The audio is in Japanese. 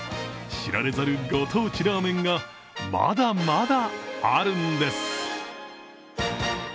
知られざるご当地ラーメンが、まだまだあるんです。